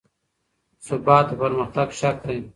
ثبات د پرمختګ شرط دی